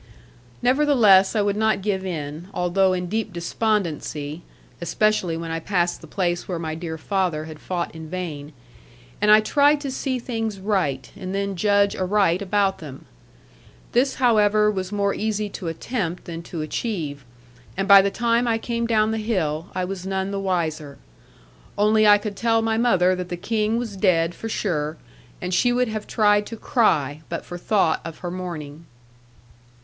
Nevertheless I would not give in, although in deep despondency (especially when I passed the place where my dear father had fought in vain), and I tried to see things right and then judge aright about them. This, however, was more easy to attempt than to achieve; and by the time I came down the hill, I was none the wiser. Only I could tell my mother that the King was dead for sure; and she would have tried to cry, but for thought of her mourning.